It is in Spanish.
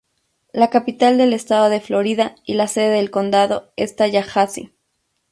La capital del estado de Florida y la sede del condado es Tallahassee.